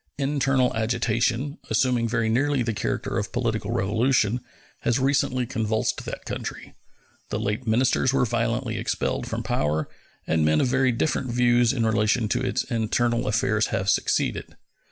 Internal agitation, assuming very nearly the character of political revolution, has recently convulsed that country. The late ministers were violently expelled from power, and men of very different views in relation to its internal affairs have succeeded.